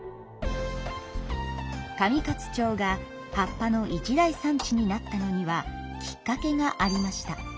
上勝町が葉っぱの一大産地になったのにはきっかけがありました。